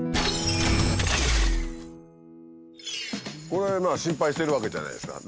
これは心配しているわけじゃないですか。